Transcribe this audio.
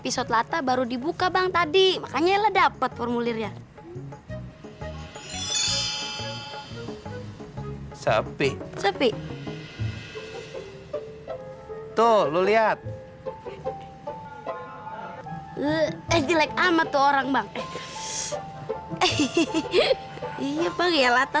sampai jumpa di video selanjutnya